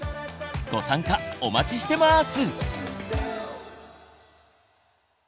ご参加お待ちしてます！